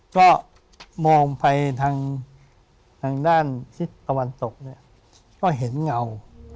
ก็มองไปทางด้านทิศตะวันตกเนี่ยก็เห็นเงา